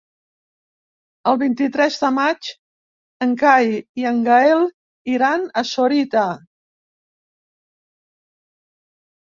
El vint-i-tres de maig en Cai i en Gaël iran a Sorita.